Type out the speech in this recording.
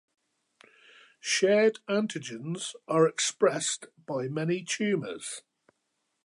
Shared antigens are expressed by many tumors.